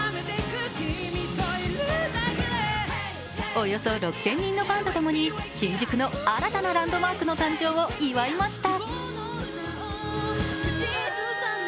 およそ６０００人のファンと共に新宿の新たなランドマークの誕生を祝いました。